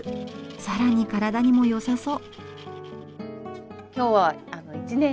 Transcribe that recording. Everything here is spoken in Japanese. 更に体にもよさそう。